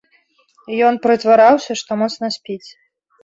Ён прытвараўся, што моцна спіць.